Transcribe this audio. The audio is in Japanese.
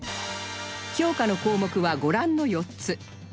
評価の項目はご覧の４つ